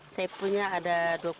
saya punya ada dua puluh